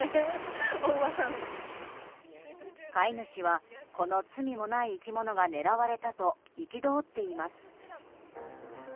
飼い主は、この罪もない生き物が狙われたと憤っています。